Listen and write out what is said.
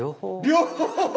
両方。